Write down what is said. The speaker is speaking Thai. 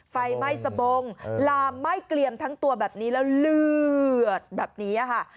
ไฟไหม้สะบงลามไหม้เกลี่ยมทั้งตัวแบบนี้แล้วเลือดแบบนี้ค่ะ